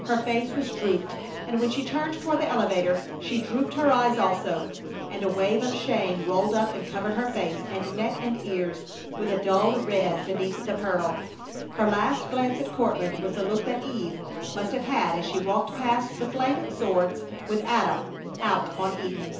Her face was drooped, and when she turned toward the elevator she drooped her eyes also, and a wave of shame rolled up and covered her face and neck and ears with a dull red beneath the pearl. Her last glance at Courtland was the look that Eve must have had as she walked past the flaming swords, with Adam, out of Eden.